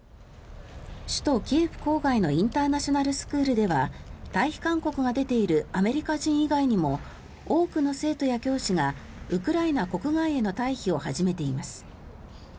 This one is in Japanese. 首都キエフ郊外のインターナショナルスクールでは退避勧告が出ているアメリカ人以外にも多くの生徒や教師がウクライナ国外への退避を始めています。